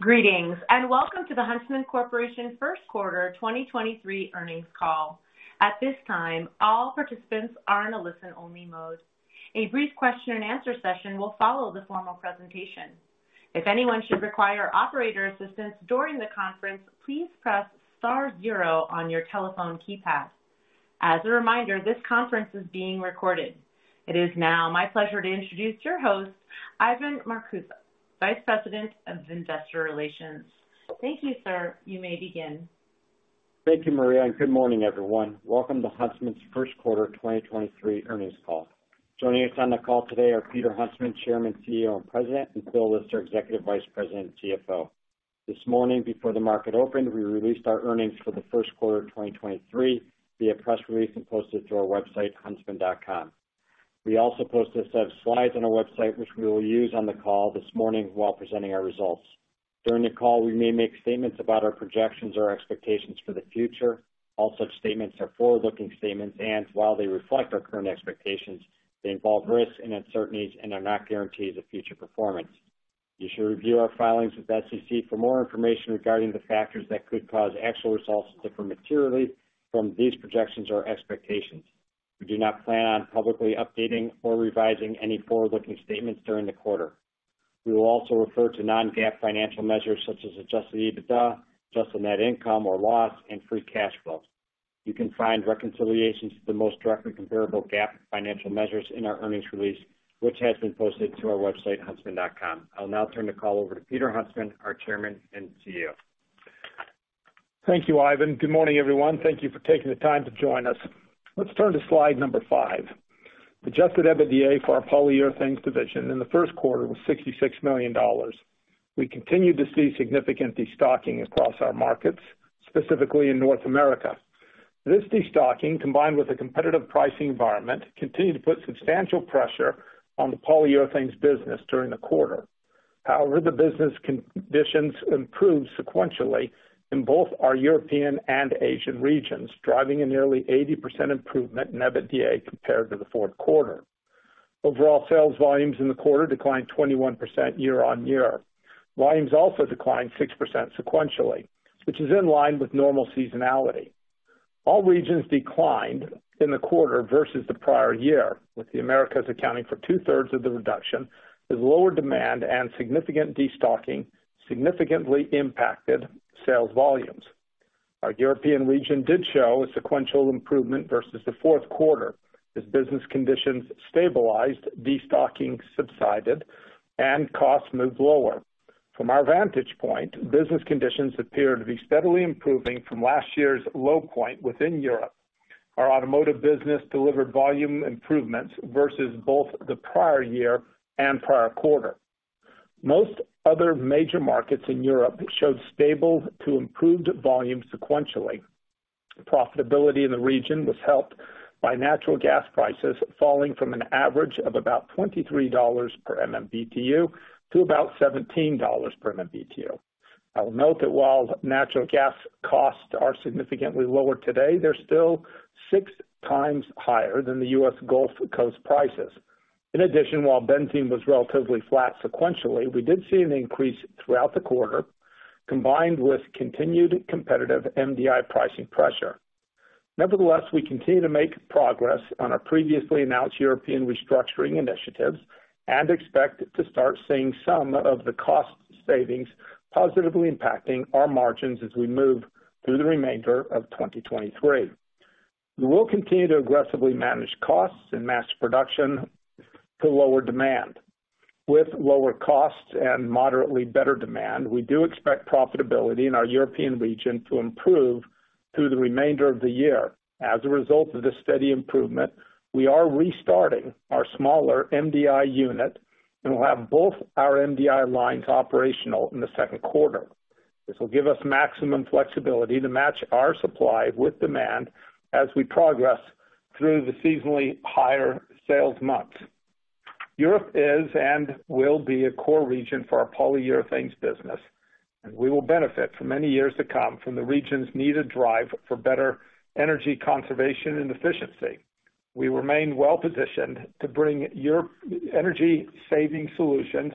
Greetings, welcome to the Huntsman Corporation first quarter 2023 earnings call. At this time, all participants are in a listen-only mode. A brief question and answer session will follow the formal presentation. If anyone should require operator assistance during the conference, please press star zero on your telephone keypad. As a reminder, this conference is being recorded. It is now my pleasure to introduce your host, Ivan Marcuse, Vice President of Investor Relations. Thank you, sir. You may begin. Thank you, Maria, and good morning, everyone. Welcome to Huntsman's first quarter 2023 earnings call. Joining us on the call today are Peter Huntsman, Chairman, CEO, and President, and Phil Lister, Executive Vice President and CFO. This morning, before the market opened, we released our earnings for the first quarter of 2023 via press release and posted to our website, huntsman.com. We also posted a set of slides on our website which we will use on the call this morning while presenting our results. During the call, we may make statements about our projections or expectations for the future. All such statements are forward-looking statements, and while they reflect our current expectations, they involve risks and uncertainties and are not guarantees of future performance. You should review our filings with SEC for more information regarding the factors that could cause actual results to differ materially from these projections or expectations. We do not plan on publicly updating or revising any forward-looking statements during the quarter. We will also refer to non-GAAP financial measures such as adjusted EBITDA, adjusted net income or loss, and free cash flow. You can find reconciliations to the most directly comparable GAAP financial measures in our earnings release, which has been posted to our website, huntsman.com. I'll now turn the call over to Peter Huntsman, our Chairman and CEO. Thank you, Ivan. Good morning, everyone. Thank you for taking the time to join us. Let's turn to slide number five. Adjusted EBITDA for our polyurethanes division in the first quarter was $66 million. We continued to see significant destocking across our markets, specifically in North America. This destocking, combined with a competitive pricing environment, continued to put substantial pressure on the polyurethanes business during the quarter. The business conditions improved sequentially in both our European and Asian regions, driving a nearly 80% improvement in EBITDA compared to the fourth quarter. Overall sales volumes in the quarter declined 21% year-on-year. Volumes also declined 6% sequentially, which is in line with normal seasonality. All regions declined in the quarter versus the prior year, with the Americas accounting for 2/3 of the reduction, as lower demand and significant destocking significantly impacted sales volumes. Our European region did show a sequential improvement versus the fourth quarter as business conditions stabilized, destocking subsided, and costs moved lower. From our vantage point, business conditions appear to be steadily improving from last year's low point within Europe. Our automotive business delivered volume improvements versus both the prior year and prior quarter. Most other major markets in Europe showed stable to improved volume sequentially. Profitability in the region was helped by natural gas prices falling from an average of about $23 per MMBTU to about $17 per MMBTU. I will note that while natural gas costs are significantly lower today, they're still 6x higher than the US Gulf Coast prices. In addition, while benzene was relatively flat sequentially, we did see an increase throughout the quarter, combined with continued competitive MDI pricing pressure. Nevertheless, we continue to make progress on our previously announced European restructuring initiatives and expect to start seeing some of the cost savings positively impacting our margins as we move through the remainder of 2023. We will continue to aggressively manage costs and match production to lower demand. With lower costs and moderately better demand, we do expect profitability in our European region to improve through the remainder of the year. As a result of this steady improvement, we are restarting our smaller MDI unit and will have both our MDI lines operational in the second quarter. This will give us maximum flexibility to match our supply with demand as we progress through the seasonally higher sales months. Europe is and will be a core region for our polyurethanes business, and we will benefit for many years to come from the region's needed drive for better energy conservation and efficiency. We remain well positioned to bring energy saving solutions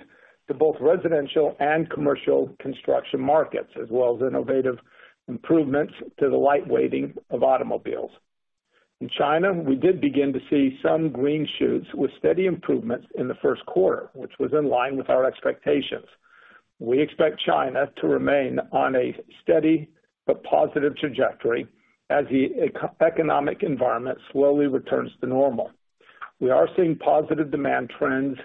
to both residential and commercial construction markets, as well as innovative improvements to the light weighting of automobiles. In China, we did begin to see some green shoots with steady improvements in the first quarter, which was in line with our expectations. We expect China to remain on a steady but positive trajectory as the eco-economic environment slowly returns to normal. We are seeing positive demand trends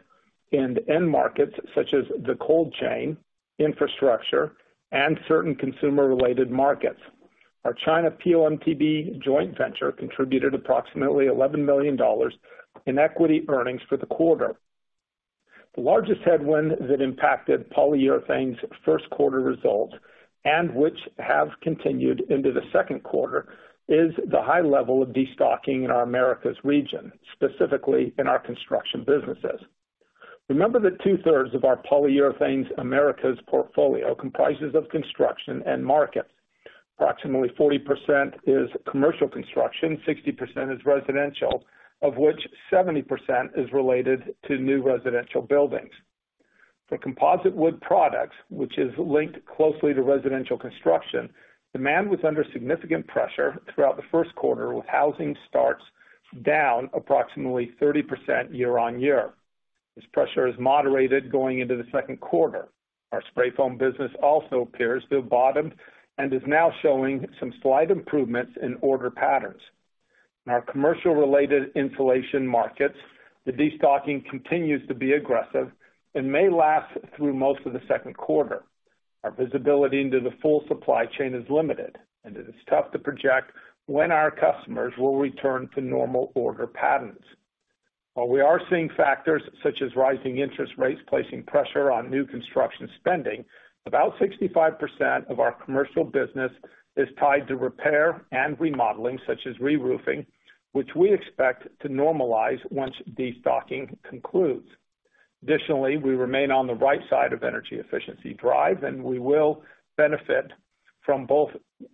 in end markets such as the cold chain, infrastructure, and certain consumer-related markets. Our China PO/MTBE joint venture contributed approximately $11 million in equity earnings for the quarter. The largest headwind that impacted polyurethanes first quarter results, and which have continued into the second quarter, is the high level of destocking in our Americas region, specifically in our construction businesses. Remember that 2/3 of our polyurethanes Americas portfolio comprises of construction end markets. Approximately 40% is commercial construction, 60% is residential, of which 70% is related to new residential buildings. For composite wood products, which is linked closely to residential construction, demand was under significant pressure throughout the first quarter, with housing starts down approximately 30% year-on-year. This pressure is moderated going into the second quarter. Our spray foam business also appears to have bottomed and is now showing some slight improvements in order patterns. In our commercial-related insulation markets, the destocking continues to be aggressive and may last through most of the second quarter. Our visibility into the full supply chain is limited, and it is tough to project when our customers will return to normal order patterns. While we are seeing factors such as rising interest rates placing pressure on new construction spending, about 65% of our commercial business is tied to repair and remodeling, such as reroofing, which we expect to normalize once destocking concludes. Additionally, we remain on the right side of energy efficiency drive, and we will benefit from both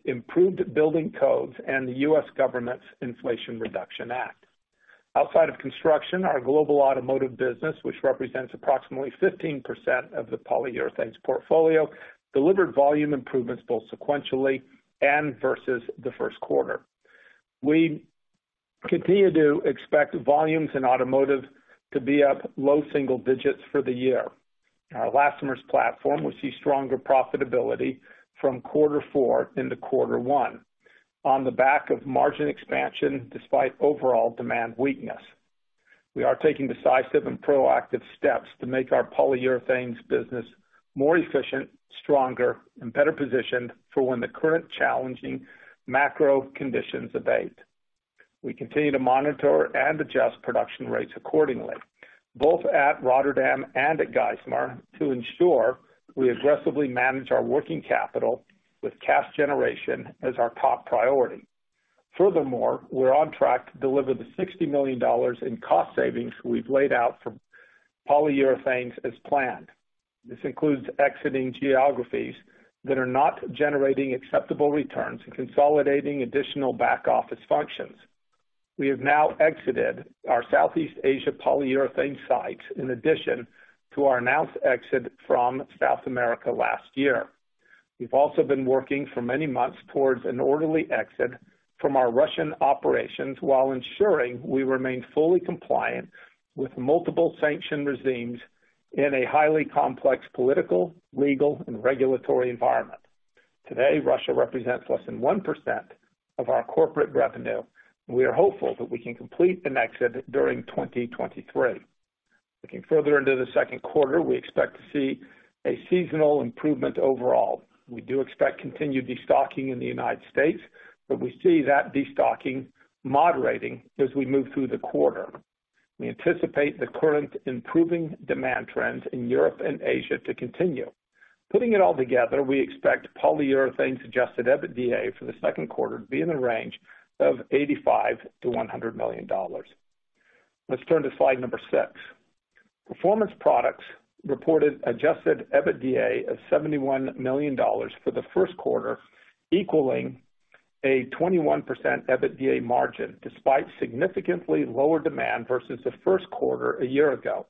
improved building codes and the U.S. government's Inflation Reduction Act. Outside of construction, our global automotive business, which represents approximately 15% of the polyurethanes portfolio, delivered volume improvements both sequentially and versus the first quarter. We continue to expect volumes in automotive to be up low single digits for the year. In our elastomers platform, we see stronger profitability from quarter four into quarter one on the back of margin expansion despite overall demand weakness. We are taking decisive and proactive steps to make our polyurethanes business more efficient, stronger, and better positioned for when the current challenging macro conditions abate. We continue to monitor and adjust production rates accordingly, both at Rotterdam and at Geismar, to ensure we aggressively manage our working capital with cash generation as our top priority. We're on track to deliver the $60 million in cost savings we've laid out for polyurethanes as planned. This includes exiting geographies that are not generating acceptable returns and consolidating additional back-office functions. We have now exited our Southeast Asia polyurethane sites in addition to our announced exit from South America last year. We've also been working for many months towards an orderly exit from our Russian operations while ensuring we remain fully compliant with multiple sanction regimes in a highly complex political, legal, and regulatory environment. Today, Russia represents less than 1% of our corporate revenue, and we are hopeful that we can complete an exit during 2023. Looking further into the second quarter, we expect to see a seasonal improvement overall. We do expect continued destocking in the United States, but we see that destocking moderating as we move through the quarter. We anticipate the current improving demand trends in Europe and Asia to continue. Putting it all together, we expect polyurethanes adjusted EBITDA for the second quarter to be in the range of $85 million-$100 million. Let's turn to slide number six. Performance Products reported adjusted EBITDA of $71 million for the first quarter, equaling a 21% EBITDA margin, despite significantly lower demand versus the first quarter a year ago.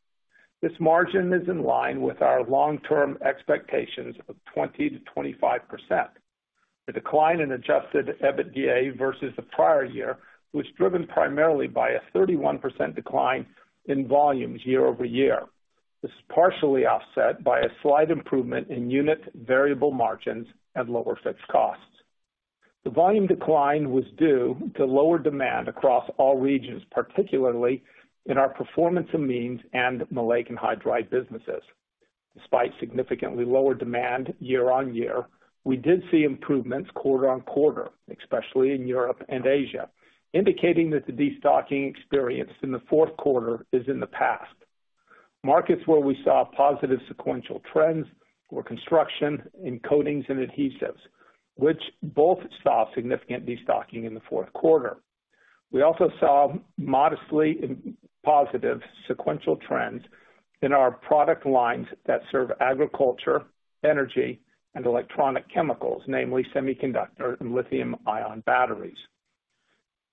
This margin is in line with our long-term expectations of 20%-25%. The decline in adjusted EBITDA versus the prior year was driven primarily by a 31% decline in volumes year-over-year. This is partially offset by a slight improvement in unit variable margins and lower fixed costs. The volume decline was due to lower demand across all regions, particularly in our performance amines and maleic anhydride businesses. Despite significantly lower demand year-on-year, we did see improvements quarter-on-quarter, especially in Europe and Asia, indicating that the destocking experience in the fourth quarter is in the past. Markets where we saw positive sequential trends were construction and coatings and adhesives, which both saw significant destocking in the fourth quarter. We also saw modestly positive sequential trends in our product lines that serve agriculture, energy, and electronic chemicals, namely semiconductor and lithium-ion batteries.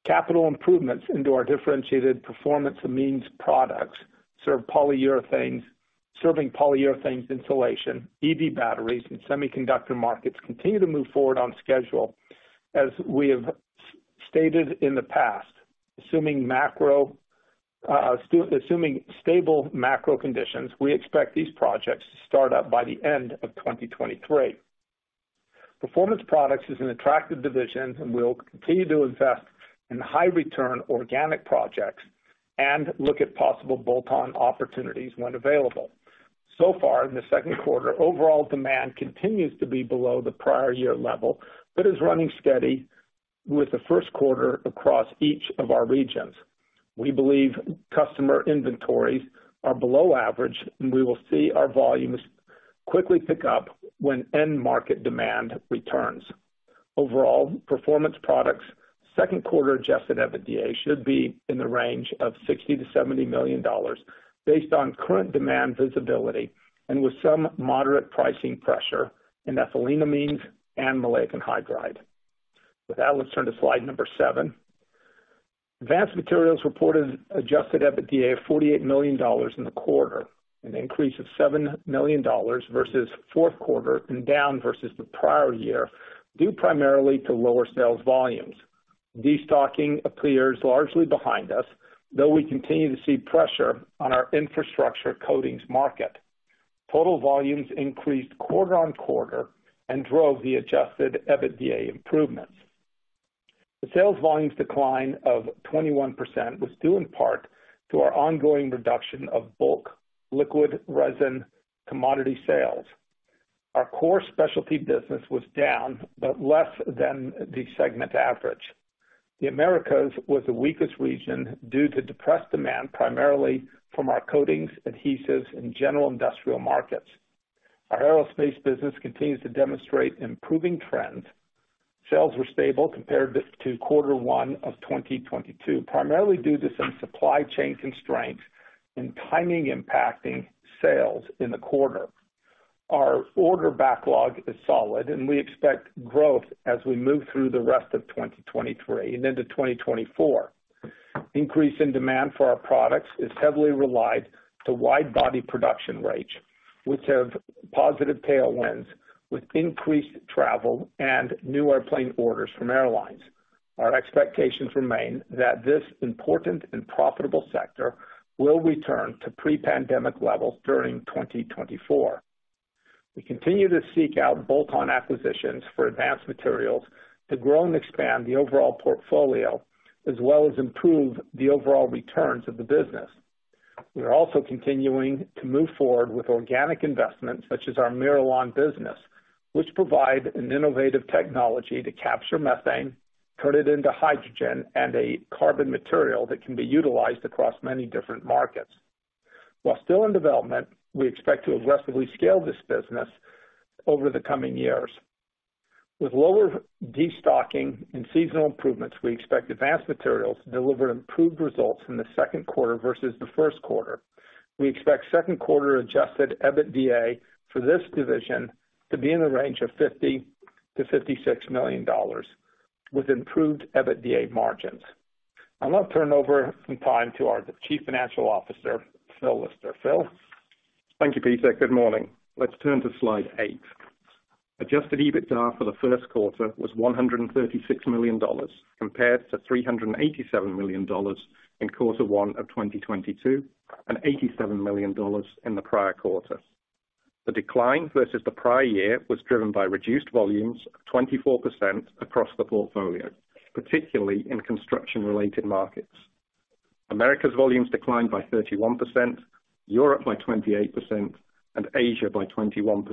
Capital improvements into our differentiated performance amines products serving polyurethanes, insulation, EV batteries, and semiconductor markets continue to move forward on schedule. As we have stated in the past, assuming stable macro conditions, we expect these projects to start up by the end of 2023. Performance Products is an attractive division, and we'll continue to invest in high-return organic projects and look at possible bolt-on opportunities when available. Far in the second quarter, overall demand continues to be below the prior year level, but is running steady with the first quarter across each of our regions. We believe customer inventories are below average, and we will see our volumes quickly pick up when end market demand returns. Overall, Performance Products Second quarter adjusted EBITDA should be in the range of $60 million-$70 million based on current demand visibility and with some moderate pricing pressure in ethyleneamines and maleic anhydride. With that, let's turn to slide number seven. Advanced Materials reported adjusted EBITDA of $48 million in the quarter, an increase of $7 million versus fourth quarter and down versus the prior year, due primarily to lower sales volumes. Destocking appears largely behind us, though we continue to see pressure on our infrastructure coatings market. Total volumes increased quarter on quarter and drove the adjusted EBITDA improvements. The sales volumes decline of 21% was due in part to our ongoing reduction of bulk liquid resin commodity sales. Our core specialty business was down, but less than the segment average. The Americas was the weakest region due to depressed demand, primarily from our coatings, adhesives, and general industrial markets. Our aerospace business continues to demonstrate improving trends. Sales were stable compared to quarter one of 2022, primarily due to some supply chain constraints and timing impacting sales in the quarter. Our order backlog is solid, and we expect growth as we move through the rest of 2023 and into 2024. Increase in demand for our products is heavily relied to wide body production rates, which have positive tailwinds with increased travel and new airplane orders from airlines. Our expectations remain that this important and profitable sector will return to pre-pandemic levels during 2024. We continue to seek out bolt-on acquisitions for Advanced Materials to grow and expand the overall portfolio, as well as improve the overall returns of the business. We are also continuing to move forward with organic investments such as our MIRALON business, which provide an innovative technology to capture methane, turn it into hydrogen, and a carbon material that can be utilized across many different markets. While still in development, we expect to aggressively scale this business over the coming years. With lower destocking and seasonal improvements, we expect Advanced Materials to deliver improved results in the second quarter versus the first quarter. We expect second quarter adjusted EBITDA for this division to be in the range of $50 million-$56 million with improved EBITDA margins. I'll now turn over some time to our Chief Financial Officer, Phil Lister. Phil? Thank you, Peter. Good morning. Let's turn to slide eight. Adjusted EBITDA for the first quarter was $136 million, compared to $387 million in quarter one of 2022, and $87 million in the prior quarter. The decline versus the prior year was driven by reduced volumes of 24% across the portfolio, particularly in construction-related markets. America's volumes declined by 31%, Europe by 28%, and Asia by 21%.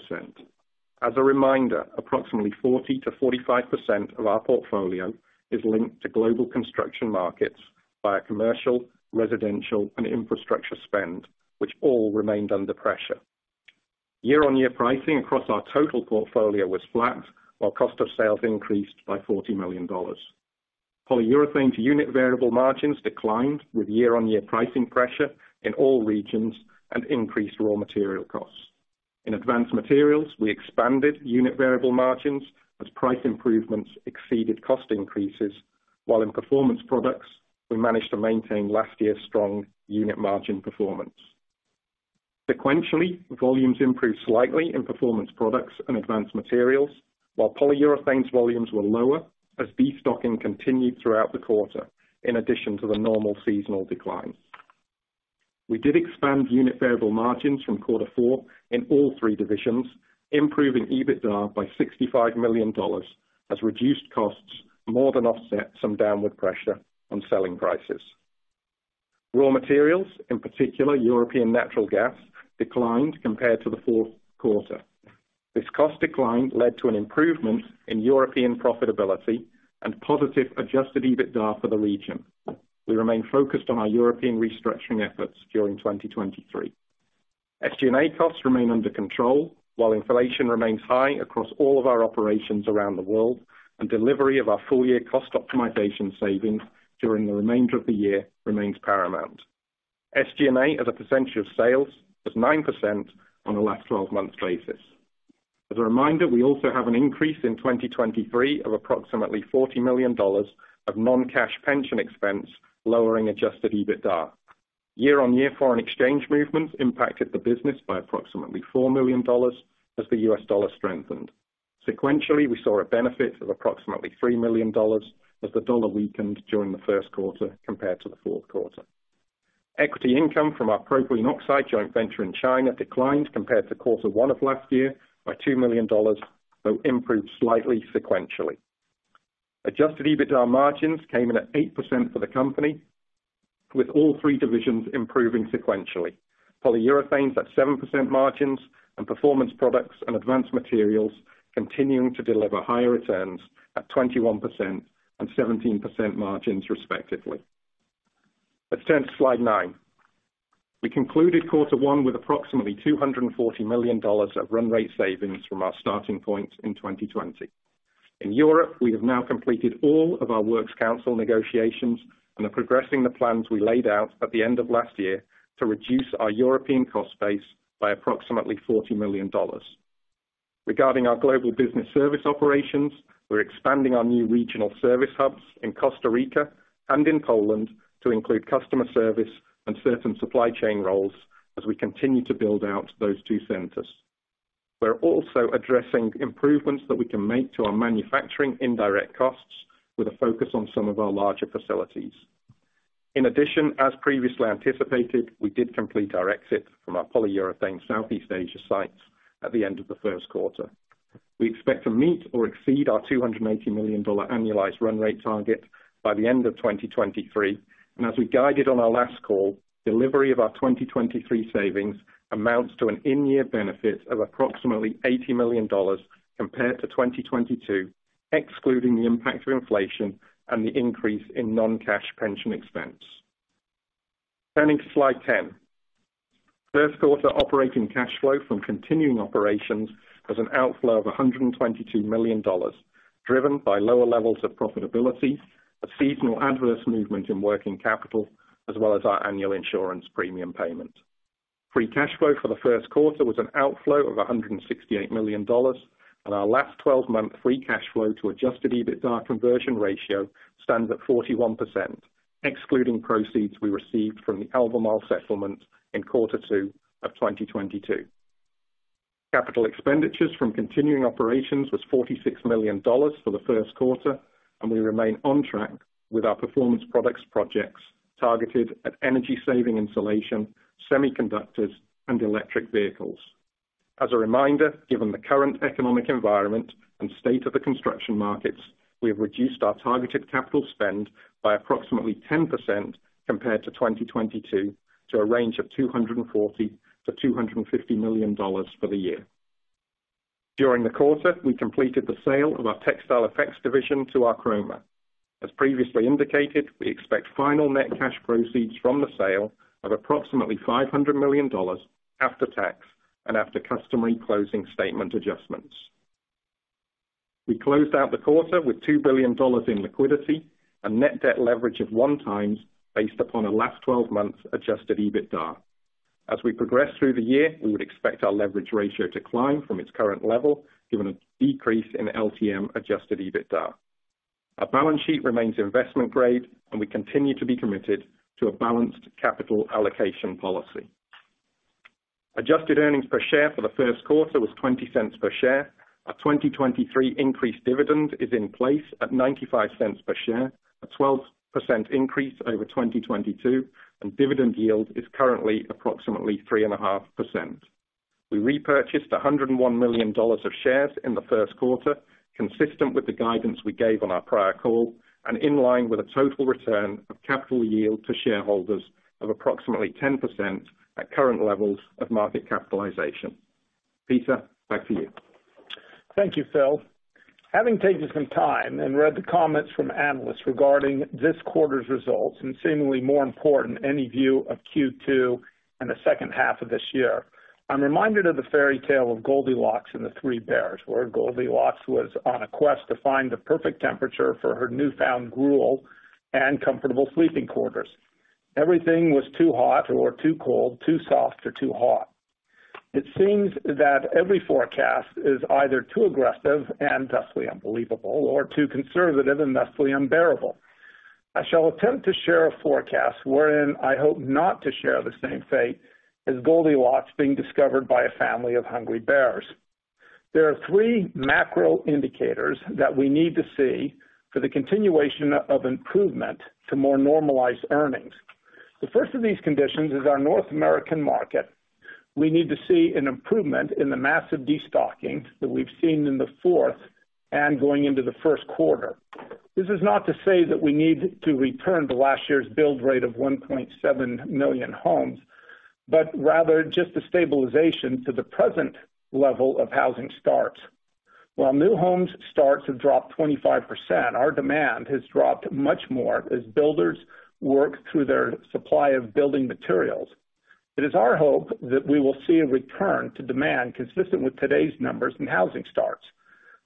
As a reminder, approximately 40%-45% of our portfolio is linked to global construction markets via commercial, residential, and infrastructure spend, which all remained under pressure. Year-on-year pricing across our total portfolio was flat, while cost of sales increased by $40 million. Polyurethanes unit variable margins declined with year-on-year pricing pressure in all regions and increased raw material costs. In Advanced Materials, we expanded unit variable margins as price improvements exceeded cost increases, while in Performance Products, we managed to maintain last year's strong unit margin performance. Sequentially, volumes improved slightly in Performance Products and Advanced Materials, while Polyurethanes volumes were lower as destocking continued throughout the quarter, in addition to the normal seasonal decline. We did expand unit variable margins from quarter four in all three divisions, improving EBITDA by $65 million as reduced costs more than offset some downward pressure on selling prices. Raw materials, in particular European natural gas, declined compared to the fourth quarter. This cost decline led to an improvement in European profitability and positive adjusted EBITDA for the region. We remain focused on our European restructuring efforts during 2023. SG&A costs remain under control while inflation remains high across all of our operations around the world, and delivery of our full-year cost optimization savings during the remainder of the year remains paramount. SG&A as a percentage of sales was 9% on a last twelve months basis. As a reminder, we also have an increase in 2023 of approximately $40 million of non-cash pension expense, lowering adjusted EBITDA. Year-on-year foreign exchange movements impacted the business by approximately $4 million as the U.S. dollar strengthened. Sequentially, we saw a benefit of approximately $3 million as the dollar weakened during the first quarter compared to the fourth quarter. Equity income from our propylene oxide joint venture in China declined compared to quarter one of last year by $2 million, though improved slightly sequentially. Adjusted EBITDA margins came in at 8% for the company, with all three divisions improving sequentially. Polyurethanes at 7% margins and Performance Products and Advanced Materials continuing to deliver higher returns at 21% and 17% margins respectively. Turn to slide nine. We concluded quarter one with approximately $240 million of run rate savings from our starting point in 2020. In Europe, we have now completed all of our works council negotiations and are progressing the plans we laid out at the end of last year to reduce our European cost base by approximately $40 million. Regarding our global business service operations, we're expanding our new regional service hubs in Costa Rica and in Poland to include customer service and certain supply chain roles as we continue to build out those two centers. We're also addressing improvements that we can make to our manufacturing indirect costs with a focus on some of our larger facilities. In addition, as previously anticipated, we did complete our exit from our polyurethane Southeast Asia sites at the end of the first quarter. We expect to meet or exceed our $280 million annualized run rate target by the end of 2023, and as we guided on our last call, delivery of our 2023 savings amounts to an in-year benefit of approximately $80 million compared to 2022, excluding the impact of inflation and the increase in non-cash pension expense. Turning to slide 10. First quarter operating cash flow from continuing operations has an outflow of $122 million, driven by lower levels of profitability, a seasonal adverse movement in working capital, as well as our annual insurance premium payment. Free cash flow for the first quarter was an outflow of $168 million, and our last 12 month free cash flow to adjusted EBITDA conversion ratio stands at 41%, excluding proceeds we received from the Albemarle settlement in quarter two of 2022. Capital expenditures from continuing operations was $46 million for the first quarter, and we remain on track with our Performance Products projects targeted at energy saving installation, semiconductors, and electric vehicles. As a reminder, given the current economic environment and state of the construction markets, we have reduced our targeted capital spend by approximately 10% compared to 2022 to a range of $240 million-$250 million for the year. During the quarter, we completed the sale of our Textile Effects division to Archroma. As previously indicated, we expect final net cash proceeds from the sale of approximately $500 million after tax and after customary closing statement adjustments. We closed out the quarter with $2 billion in liquidity and net debt leverage of 1 times based upon a last twelve months adjusted EBITDA. As we progress through the year, we would expect our leverage ratio to climb from its current level, given a decrease in LTM adjusted EBITDA. Our balance sheet remains investment grade, and we continue to be committed to a balanced capital allocation policy. Adjusted earnings per share for the first quarter was $0.20 per share. Our 2023 increased dividend is in place at $0.95 per share, a 12% increase over 2022, and dividend yield is currently approximately 3.5%. We repurchased $101 million of shares in the first quarter, consistent with the guidance we gave on our prior call and in line with a total return of capital yield to shareholders of approximately 10% at current levels of market capitalization. Peter, back to you. Thank you, Phil. Having taken some time and read the comments from analysts regarding this quarter's results and seemingly more important, any view of Q2 and the second half of this year, I'm reminded of the fairy tale of Goldilocks and the Three Bears, where Goldilocks was on a quest to find the perfect temperature for her newfound gruel and comfortable sleeping quarters. Everything was too hot or too cold, too soft or too hot. It seems that every forecast is either too aggressive and thusly unbelievable or too conservative and thusly unbearable. I shall attempt to share a forecast wherein I hope not to share the same fate as Goldilocks being discovered by a family of hungry bears. There are three macro indicators that we need to see for the continuation of improvement to more normalized earnings. The first of these conditions is our North American market. We need to see an improvement in the massive destocking that we've seen in the fourth and going into the first quarter. This is not to say that we need to return to last year's build rate of 1.7 million homes, but rather just a stabilization to the present level of housing starts. While new homes starts have dropped 25%, our demand has dropped much more as builders work through their supply of building materials. It is our hope that we will see a return to demand consistent with today's numbers in housing starts.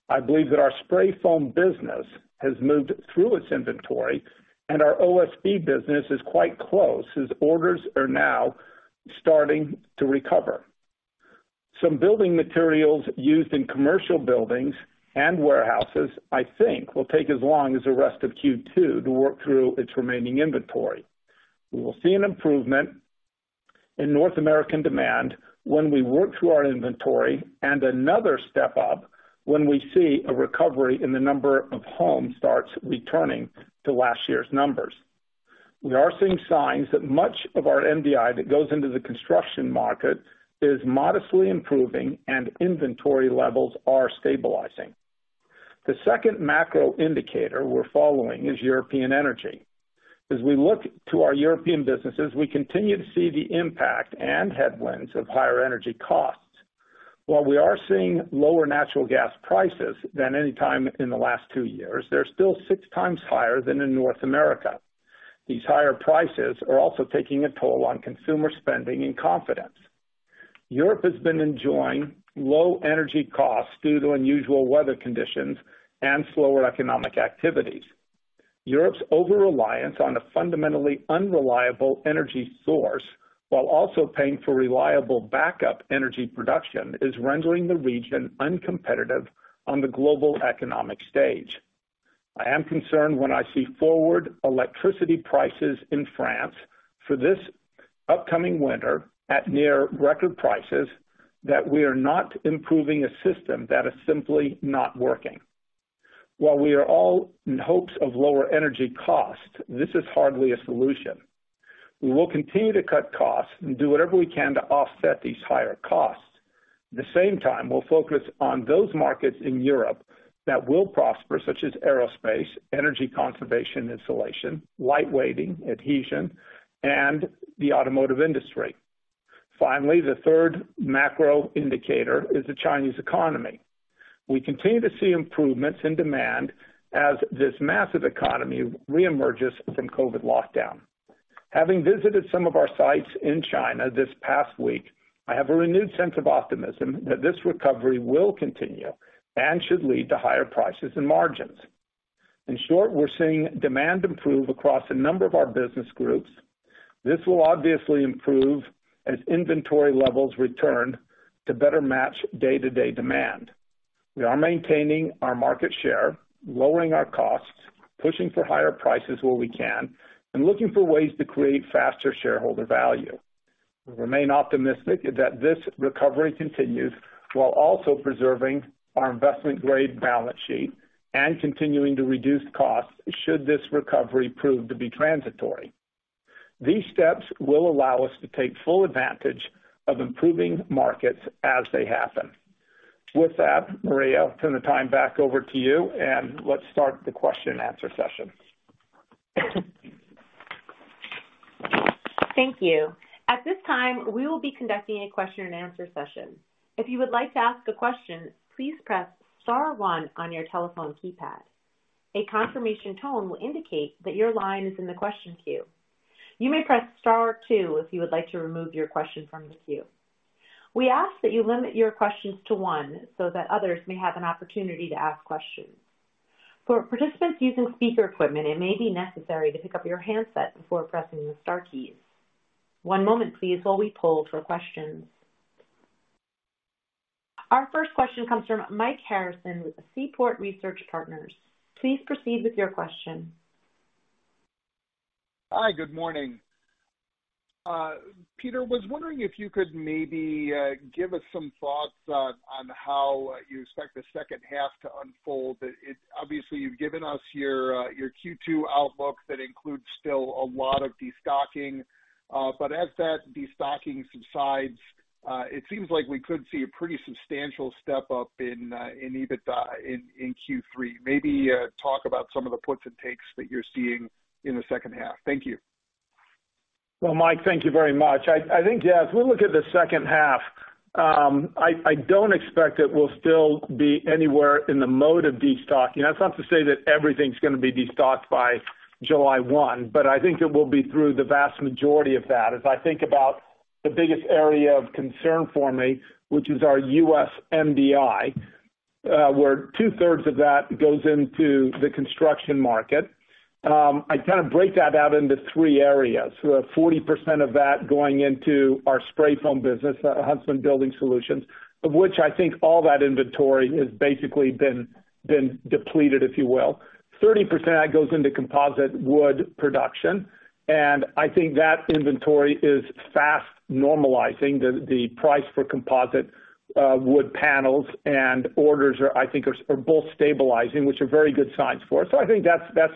I believe that our spray foam business has moved through its inventory and our OSB business is quite close as orders are now starting to recover. Some building materials used in commercial buildings and warehouses, I think, will take as long as the rest of Q2 to work through its remaining inventory. We will see an improvement in North American demand when we work through our inventory, and another step up when we see a recovery in the number of home starts returning to last year's numbers. We are seeing signs that much of our MDI that goes into the construction market is modestly improving and inventory levels are stabilizing. The second macro indicator we're following is European energy. As we look to our European businesses, we continue to see the impact and headwinds of higher energy costs. While we are seeing lower natural gas prices than any time in the last two years, they're still 6x higher than in North America. These higher prices are also taking a toll on consumer spending and confidence. Europe has been enjoying low energy costs due to unusual weather conditions and slower economic activities. Europe's overreliance on a fundamentally unreliable energy source while also paying for reliable backup energy production is rendering the region uncompetitive on the global economic stage. I am concerned when I see forward electricity prices in France for this upcoming winter at near record prices that we are not improving a system that is simply not working. While we are all in hopes of lower energy costs, this is hardly a solution. We will continue to cut costs and do whatever we can to offset these higher costs. At the same time, we'll focus on those markets in Europe that will prosper, such as aerospace, energy conservation insulation, light weighting, adhesion, and the automotive industry. Finally, the third macro indicator is the Chinese economy. We continue to see improvements in demand as this massive economy reemerges from COVID lockdown. Having visited some of our sites in China this past week, I have a renewed sense of optimism that this recovery will continue and should lead to higher prices and margins. In short, we're seeing demand improve across a number of our business groups. This will obviously improve as inventory levels return to better match day-to-day demand. We are maintaining our market share, lowering our costs, pushing for higher prices where we can, and looking for ways to create faster shareholder value. We remain optimistic that this recovery continues while also preserving our investment grade balance sheet and continuing to reduce costs should this recovery prove to be transitory. These steps will allow us to take full advantage of improving markets as they happen. With that, Maria, I'll turn the time back over to you, and let's start the question and answer session. Thank you. At this time, we will be conducting a question and answer session. If you would like to ask a question, please press star one on your telephone keypad. A confirmation tone will indicate that your line is in the question queue. You may press star two if you would like to remove your question from the queue. We ask that you limit your questions to one so that others may have an opportunity to ask questions. For participants using speaker equipment, it may be necessary to pick up your handset before pressing the star keys. One moment, please, while we poll for questions. Our first question comes from Mike Harrison with Seaport Research Partners. Please proceed with your question. Hi, good morning. Peter, was wondering if you could maybe give us some thoughts on how you expect the second half to unfold. Obviously, you've given us your Q2 outlook that includes still a lot of destocking. As that destocking subsides, it seems like we could see a pretty substantial step up in EBITDA in Q3. Maybe talk about some of the puts and takes that you're seeing in the second half. Thank you. Well, Mike, thank you very much. I think, yeah, as we look at the second half, I don't expect it will still be anywhere in the mode of destocking. That's not to say that everything's gonna be destocked by July 1, but I think it will be through the vast majority of that. As I think about the biggest area of concern for me, which is our U.S. MDI, where 2/3 of that goes into the construction market. I kind of break that out into three areas. We have 40% of that going into our spray foam business, Huntsman Building Solutions, of which I think all that inventory has basically been depleted, if you will. 30% of that goes into composite wood production, and I think that inventory is fast normalizing. The price for composite wood panels and orders are, I think, are both stabilizing, which are very good signs for us. I think that's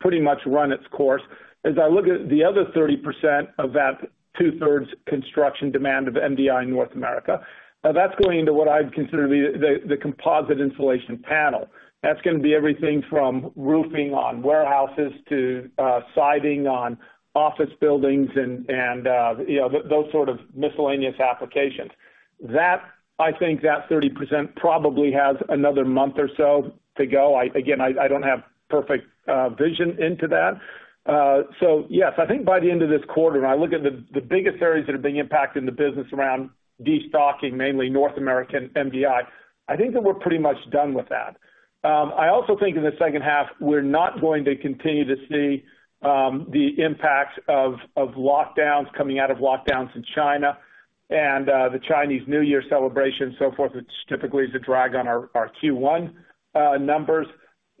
pretty much run its course. As I look at the other 30% of that 2/3 construction demand of MDI in North America, that's going into what I'd consider the composite insulation panel. That's gonna be everything from roofing on warehouses to siding on office buildings and, you know, those sort of miscellaneous applications. That, I think that 30% probably has another month or so to go. Again, I don't have perfect vision into that. Yes, I think by the end of this quarter, and I look at the biggest areas that are being impacted in the business around destocking, mainly North American MDI, I think that we're pretty much done with that. I also think in the second half, we're not going to continue to see the impact of lockdowns coming out of lockdowns in China and the Chinese New Year celebration and so forth, which typically is a drag on our Q1 numbers.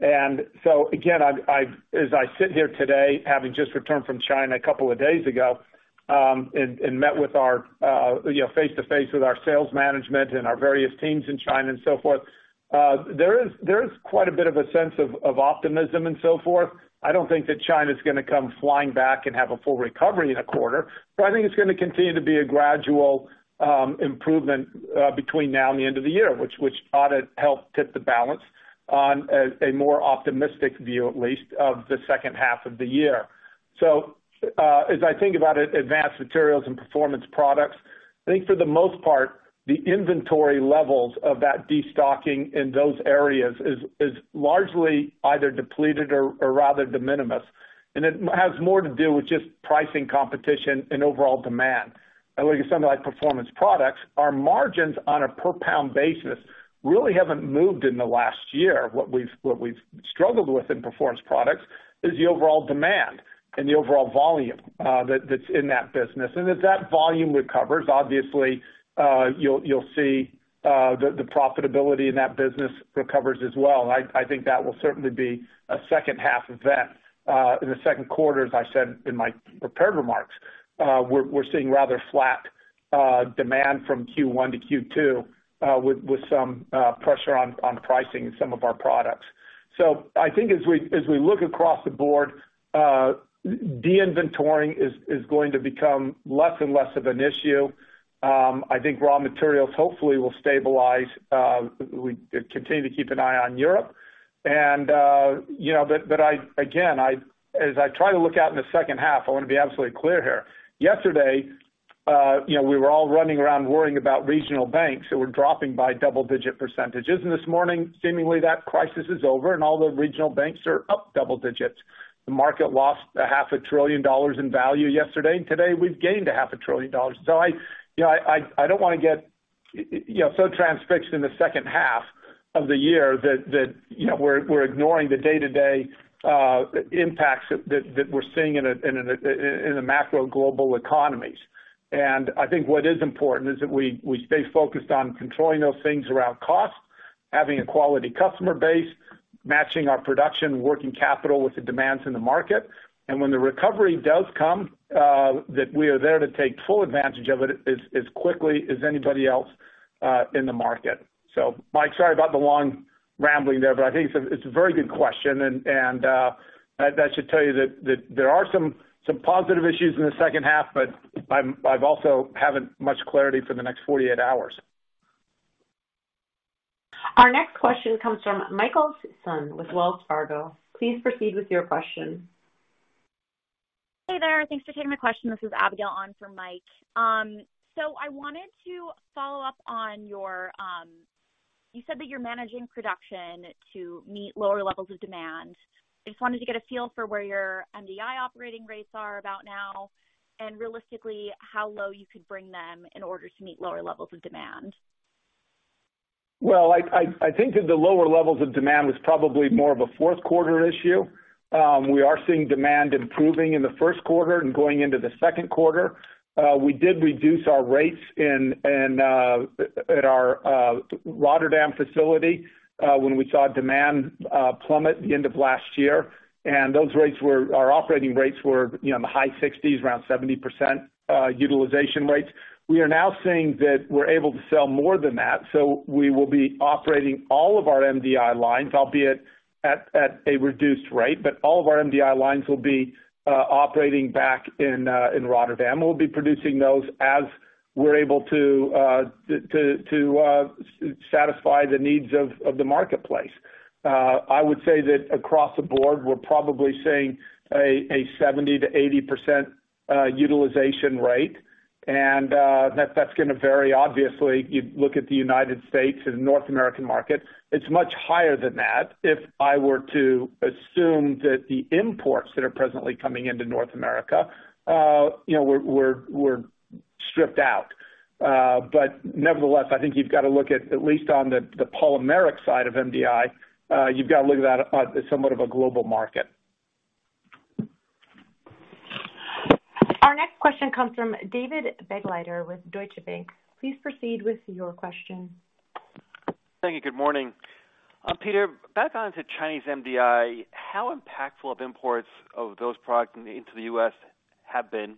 Again, I as I sit here today, having just returned from China a couple of days ago, and met with our, you know, face-to-face with our sales management and our various teams in China and so forth, there is quite a bit of a sense of optimism and so forth. I don't think that China's gonna come flying back and have a full recovery in a quarter, but I think it's gonna continue to be a gradual improvement between now and the end of the year, which ought to help tip the balance on a more optimistic view, at least, of the second half of the year. As I think about it, Advanced Materials and Performance Products, I think for the most part, the inventory levels of that destocking in those areas is largely either depleted or rather de minimis. It has more to do with just pricing competition and overall demand. Look at something like Performance Products, our margins on a per pound basis really haven't moved in the last year. What we've struggled with in Performance Products is the overall demand and the overall volume that's in that business. As that volume recovers, obviously, you'll see the profitability in that business recovers as well. I think that will certainly be a second half event. In the second quarter, as I said in my prepared remarks, we're seeing rather flat demand from Q1-Q2, with some pressure on pricing in some of our products. I think as we look across the board, de-inventoring is going to become less and less of an issue. I think raw materials hopefully will stabilize, we continue to keep an eye on Europe. You know, but I again, as I try to look out in the second half, I wanna be absolutely clear here. Yesterday, you know, we were all running around worrying about regional banks that were dropping by double-digit percent. This morning, seemingly that crisis is over and all the regional banks are up double digits. The market lost a half a trillion dollars in value yesterday, and today we've gained a half a trillion dollars. I, you know, I don't wanna get, you know, so transfixed in the second half of the year that, you know, we're ignoring the day-to-day impacts that we're seeing in the macro global economies. I think what is important is that we stay focused on controlling those things around cost, having a quality customer base, matching our production working capital with the demands in the market. When the recovery does come, that we are there to take full advantage of it as quickly as anybody else in the market. Mike, sorry about the long rambling there, but I think it's a very good question and that should tell you that there are some positive issues in the second half, but I've also haven't much clarity for the next 48 hours. Our next question comes from Michael Sisson with Wells Fargo. Please proceed with your question. Hey there. Thanks for taking my question. This is Abigail on for Mike. I wanted to follow up on your. You said that you're managing production to meet lower levels of demand. I just wanted to get a feel for where your MDI operating rates are about now, and realistically, how low you could bring them in order to meet lower levels of demand. Well, I think that the lower levels of demand was probably more of a fourth quarter issue. We are seeing demand improving in the first quarter and going into the second quarter. We did reduce our rates in at our Rotterdam facility when we saw demand plummet at the end of last year. Our operating rates were, you know, in the high 60s, around 70% utilization rates. We are now seeing that we're able to sell more than that, so we will be operating all of our MDI lines, albeit at a reduced rate. All of our MDI lines will be operating back in Rotterdam. We'll be producing those as we're able to satisfy the needs of the marketplace. I would say that across the board, we're probably seeing a 70%-80% utilization rate. That's gonna vary. Obviously, you look at the United States and North American market, it's much higher than that. If I were to assume that the imports that are presently coming into North America, you know, were stripped out. Nevertheless, I think you've got to look at least on the polymeric side of MDI, you've got to look at that as somewhat of a global market. Our next question comes from David Begleiter with Deutsche Bank. Please proceed with your question. Thank you. Good morning. Peter, back on to Chinese MDI, how impactful of imports of those products into the U.S. have been?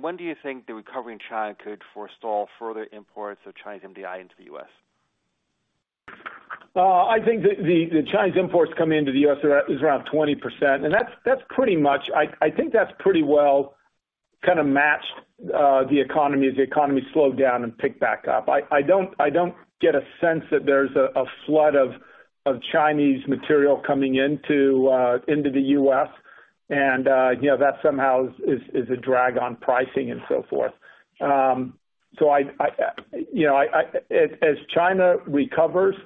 When do you think the recovery in China could forestall further imports of Chinese MDI into the U.S.? I think that the Chinese imports coming into the U.S. is around 20%, and that's pretty much. I think that's pretty well kinda matched the economy as the economy slowed down and picked back up. I don't, I don't get a sense that there's a flood of Chinese material coming into the U.S. and, you know, that somehow is, is a drag on pricing and so forth. I, you know, as China recovers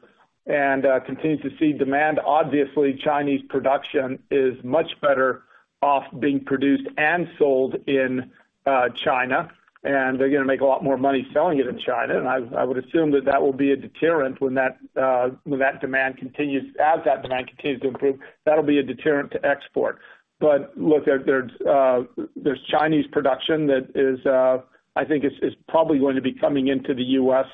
and continues to see demand, obviously Chinese production is much better off being produced and sold in China, and they're gonna make a lot more money selling it in China. I would assume that that will be a deterrent when that demand continues. As that demand continues to improve, that'll be a deterrent to export. Look, there's Chinese production that is I think is probably going to be coming into the U.S.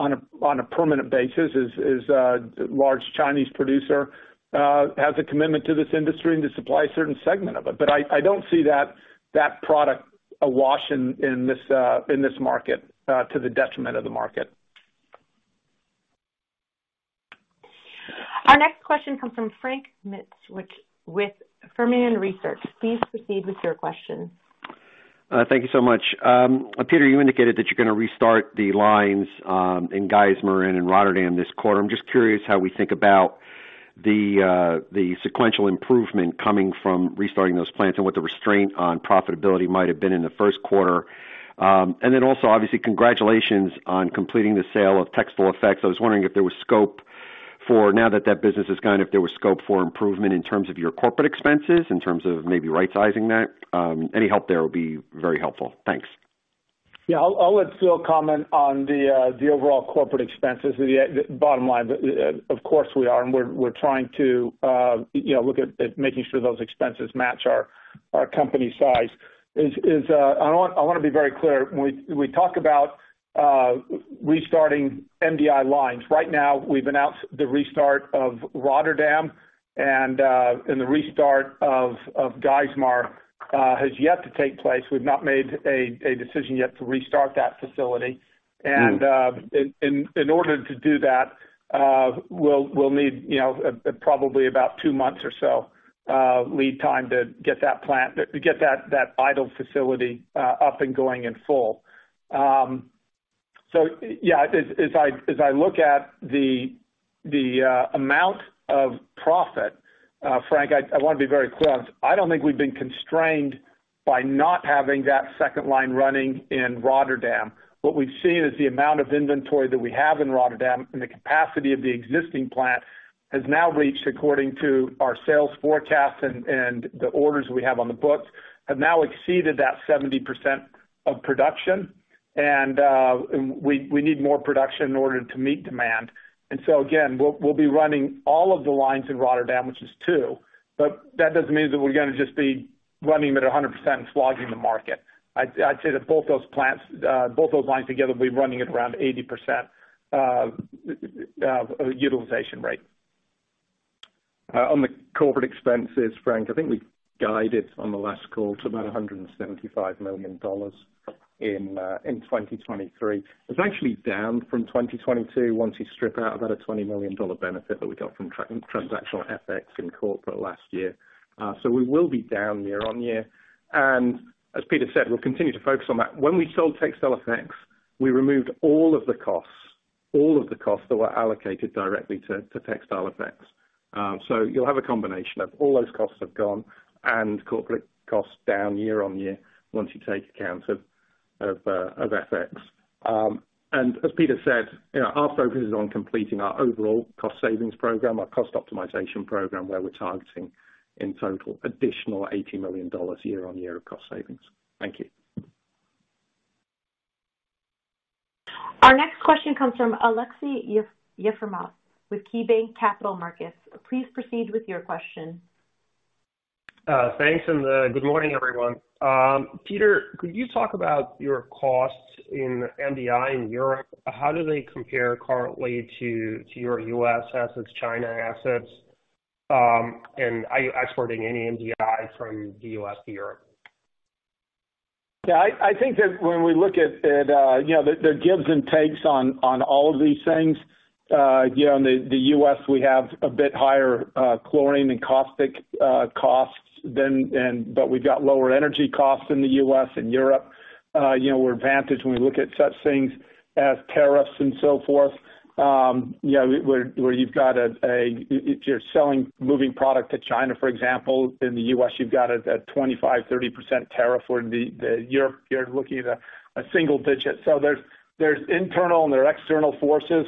on a permanent basis, as a large Chinese producer has a commitment to this industry and to supply a certain segment of it. I don't see that product awash in this market to the detriment of the market. Our next question comes from Frank Mitsch with Fermium Research. Please proceed with your question. Thank you so much. Peter, you indicated that you're gonna restart the lines in Geismar and in Rotterdam this quarter. I'm just curious how we think about the sequential improvement coming from restarting those plants and what the restraint on profitability might have been in the first quarter. Also, obviously, congratulations on completing the sale of Textile Effects. I was wondering if there was scope for now that that business is gone, if there was scope for improvement in terms of your corporate expenses, in terms of maybe rightsizing that. Any help there will be very helpful. Thanks. Yeah. I'll let Phil comment on the overall corporate expenses at the bottom line. Of course we are, and we're trying to, you know, look at making sure those expenses match our company size. Is, I wanna be very clear. When we talk about restarting MDI lines. Right now we've announced the restart of Rotterdam and the restart of Geismar has yet to take place. We've not made a decision yet to restart that facility. Mm-hmm. In order to do that, we'll need, you know, probably about two months or so lead time to get that idle facility up and going in full. Yeah, as I look at the amount of profit, Frank, I wanna be very clear on this. I don't think we've been constrained by not having that second line running in Rotterdam. What we've seen is the amount of inventory that we have in Rotterdam and the capacity of the existing plant has now reached, according to our sales forecast and the orders we have on the books, have now exceeded that 70% of production. We need more production in order to meet demand. Again, we'll be running all of the lines in Rotterdam, which is two, but that doesn't mean that we're gonna just be running them at 100% and slogging the market. I'd say that both those lines together will be running at around 80% utilization rate. On the corporate expenses, Frank, I think we guided on the last call to about $175 million in 2023. It's actually down from 2022 once you strip out about a $20 million benefit that we got from transactional FX in corporate last year. We will be down year-over-year. As Peter said, we'll continue to focus on that. When we sold Textile Effects, we removed all of the costs that were allocated directly to Textile Effects. You'll have a combination of all those costs have gone and corporate costs down year-over-year once you take account of FX. As Peter said, you know, our focus is on completing our overall cost savings program, our cost optimization program, where we're targeting in total additional $80 million year-over-year of cost savings. Thank you. Our next question comes from Aleksey Yefremov with KeyBanc Capital Markets. Please proceed with your question. Thanks and good morning, everyone. Peter, could you talk about your costs in MDI in Europe? How do they compare currently to your U.S. assets, China assets? Are you exporting any MDI from the U.S. to Europe? Yeah, I think that when we look at, you know, the gives and takes on all of these things, you know, in the U.S. we have a bit higher chlorine and caustic costs than, but we've got lower energy costs in the U.S. and Europe. You know, we're advantaged when we look at such things as tariffs and so forth. You know, where you've got if you're selling moving product to China, for example, in the U.S. you've got a 25%, 30% tariff where Europe you're looking at a single digit. There's internal and there are external forces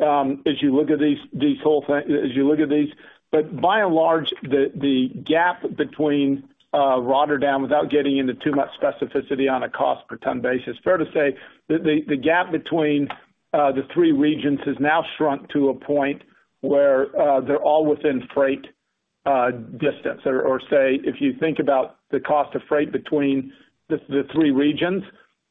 as you look at these as you look at these. By and large, the gap between Rotterdam, without getting into too much specificity on a cost per ton basis, fair to say that the gap between the three regions has now shrunk to a point where they're all within freight distance. Or say, if you think about the cost of freight between the three regions,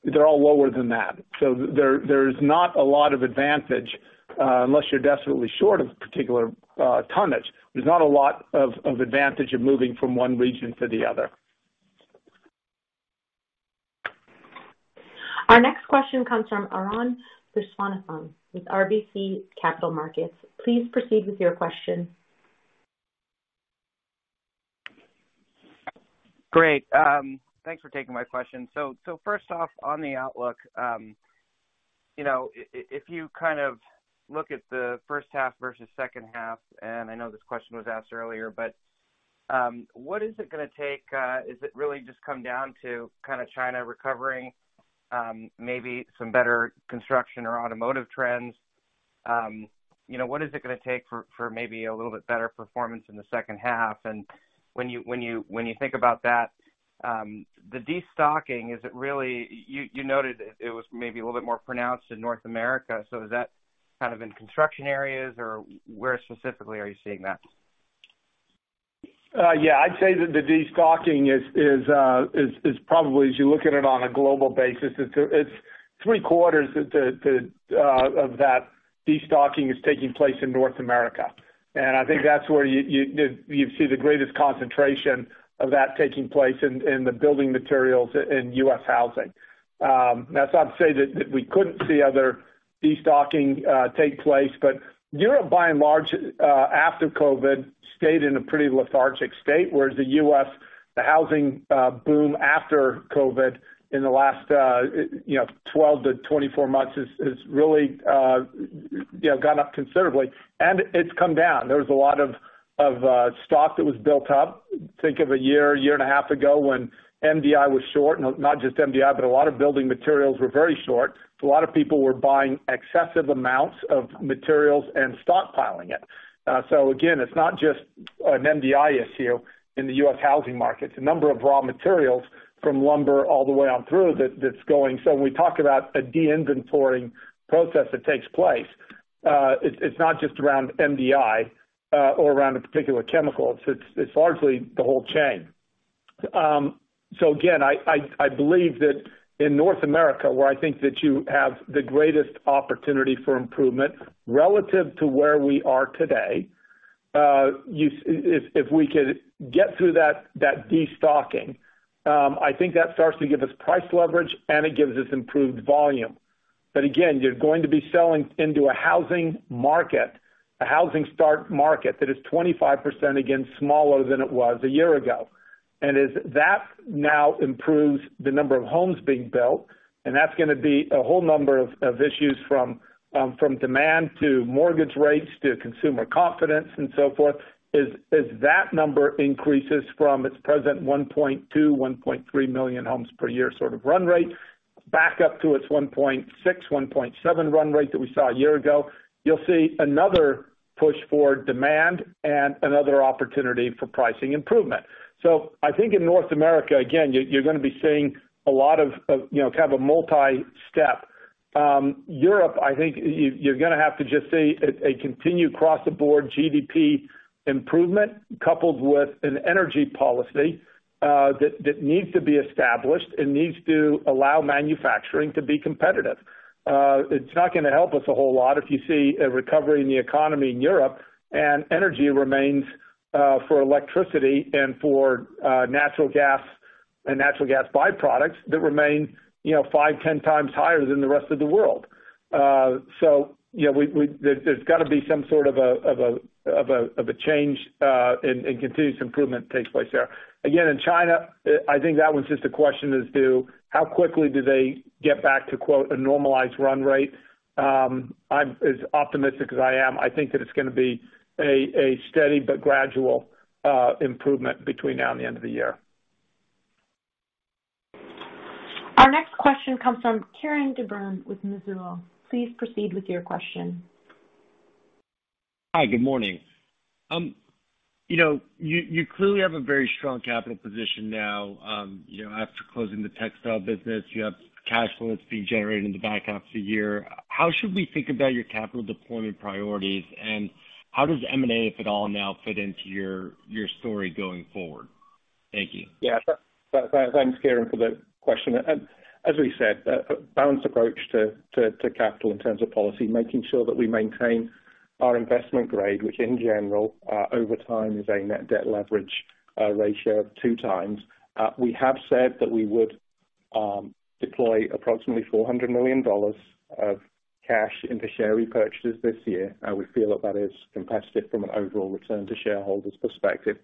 they're all lower than that. There is not a lot of advantage, unless you're desperately short of particular tonnage. There's not a lot of advantage of moving from one region to the other. Our next question comes from Arun Viswanathan with RBC Capital Markets. Please proceed with your question. Great. Thanks for taking my question. First off, on the outlook, you know, if you kind of look at the first half versus second half, I know this question was asked earlier. What is it gonna take? Is it really just come down to kinda China recovering, maybe some better construction or automotive trends? You know, what is it gonna take for maybe a little bit better performance in the second half? When you think about that, the destocking, is it really you noted it was maybe a little bit more pronounced in North America. Is that kind of in construction areas, or where specifically are you seeing that? Yeah. I'd say that the destocking is probably, as you look at it on a global basis, it's three quarters of the of that destocking is taking place in North America. I think that's where you see the greatest concentration of that taking place in the building materials in U.S. housing. That's not to say that we couldn't see other destocking take place. Europe, by and large, after COVID, stayed in a pretty lethargic state, whereas the U.S. housing, you know, 12-24 months has really, you know, gone up considerably, and it's come down. There was a lot of stock that was built up. Think of a year and a half ago when MDI was short, not just MDI, but a lot of building materials were very short. A lot of people were buying excessive amounts of materials and stockpiling it. Again, it's not just an MDI issue in the U.S. housing market. It's a number of raw materials from lumber all the way on through that's going. When we talk about a de-inventoring process that takes place, it's not just around MDI or around a particular chemical. It's largely the whole chain. Again, I believe that in North America, where I think that you have the greatest opportunity for improvement relative to where we are today. If we could get through that destocking, I think that starts to give us price leverage, and it gives us improved volume. Again, you're going to be selling into a housing market, a housing start market that is 25% against smaller than it was a year ago. As that now improves the number of homes being built, and that's gonna be a whole number of issues from demand to mortgage rates to consumer confidence and so forth. As that number increases from its present 1.2, 1.3 million homes per year sort of run rate back up to its 1.6, 1.7 run rate that we saw a year ago, you'll see another push for demand and another opportunity for pricing improvement. I think in North America, again, you're gonna be seeing a lot of, you know, kind of a multi-step. Europe, I think you're gonna have to just see a continued across the board GDP improvement coupled with an energy policy that needs to be established and needs to allow manufacturing to be competitive. It's not gonna help us a whole lot if you see a recovery in the economy in Europe and energy remains for electricity and for natural gas and natural gas byproducts that remain, you know, 5, 10x higher than the rest of the world. You know, we, there's gotta be some sort of a change, and continuous improvement takes place there. Again, in China, I think that one's just a question as to how quickly do they get back to, quote, "a normalized run rate." I'm as optimistic as I am. I think that it's gonna be a steady but gradual improvement between now and the end of the year. Our next question comes from Kieran de Brun with Mizuho. Please proceed with your question. Hi, good morning. You know, you clearly have a very strong capital position now, you know, after closing the textile business. You have cash flow that's being generated in the back half of the year. How should we think about your capital deployment priorities, and how does M&A, if at all, now fit into your story going forward? Thank you. Yeah. Thanks, Kieran, for the question. As we said, a balanced approach to capital in terms of policy, making sure that we maintain our investment grade, which in general, over time is a net debt leverage ratio of 2x. We have said that we would deploy approximately $400 million of cash into share repurchases this year. We feel that that is competitive from an overall return to shareholders perspective.